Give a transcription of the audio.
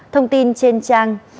thông tin trên trang